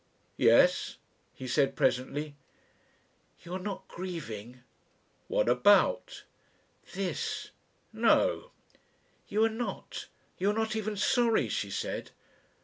"Yes?" he said presently. "You are not grieving?" "What about?" "This." "No!" "You are not you are not even sorry?" she said.